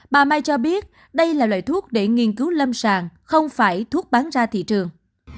bà may cho biết đây là loại thuốc để nghiên cứu lâm sàng không phải thuốc bán ra thị trường